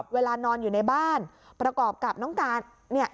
เวลานอนอยู่ในบ้านประกอบกับน้องการเนี่ย